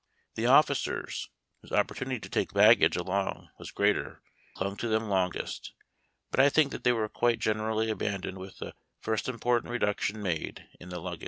The officers, whose opportunit}^ to take baggage along was greater, clung to them longest; but I think that they were quite generally abandoned with the first important reduction made in the luggage.